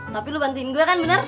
tapi lu bantuin gue kan bener